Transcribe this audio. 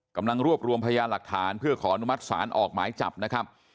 กำลังรวบรวมพยานหลักฐานเพื่อขออนุมัติศาลออกหมายจับนะครับ